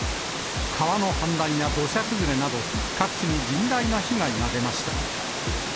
川の氾濫や土砂崩れなど、各地に甚大な被害が出ました。